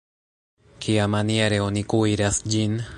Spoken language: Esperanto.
Kiamaniere oni kuiras ĝin?